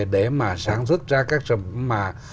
để mà sáng xuất ra các sản phẩm mà